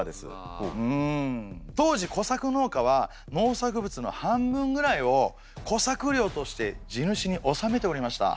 当時小作農家は農作物の半分ぐらいを小作料として地主に納めておりました。